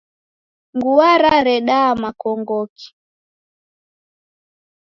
Ngua raredaa makongoki?